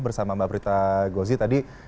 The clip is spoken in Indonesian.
bersama mbak prita gozi tadi